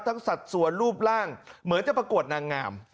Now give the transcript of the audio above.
ทั้งสัตว์สวนรูปร่างเหมือนจะประกวดนางงาม